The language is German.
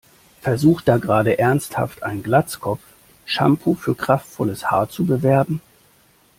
Versucht da gerade ernsthaft ein Glatzkopf, Shampoo für kraftvolles Haar zu bewerben?